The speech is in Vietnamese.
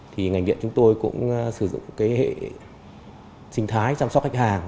thì ngành điện chúng tôi cũng sử dụng cái hệ sinh thái chăm sóc khách hàng